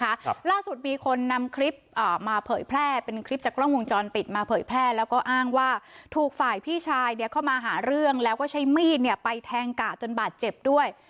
ครับล่าสุดมีคนนำคลิปอ่ามาเผยแพร่เป็นคลิปจากกล้องวงจรปิดมาเผยแพร่แล้วก็อ้างว่าถูกฝ่ายพี่ชายเนี้ยเข้ามาหาเรื่องแล้วก็ใช้มีดเนี่ยไปแทงกะจนบาดเจ็บด้วย